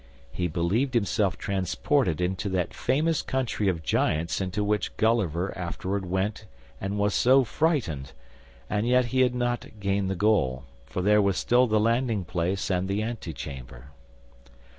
He believed himself transported into that famous country of giants into which Gulliver afterward went and was so frightened; and yet he had not gained the goal, for there were still the landing place and the antechamber.